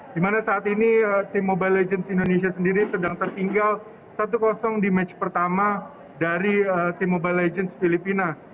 di mana saat ini tim mobile legends indonesia sendiri sedang tertinggal satu di match pertama dari tim mobile legends filipina